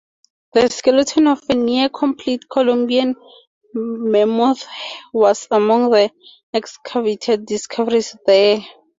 The skeleton of a near-complete Columbian mammoth was among the excavated discoveries there.